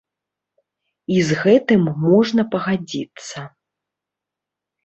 І з гэтым можна пагадзіцца.